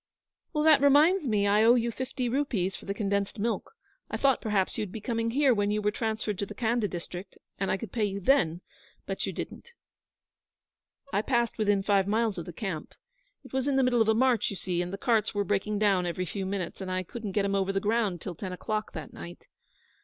'That reminds me I owe you fifty rupees for the condensed milk. I thought perhaps you'd be coming here when you were transferred to the Khanda district, and I could pay you then; but you didn't.' 'I passed within five miles of the camp. It was in the middle of a march, you see, and the carts were breaking down every few minutes, and I couldn't get 'em over the ground till ten o'clock that night.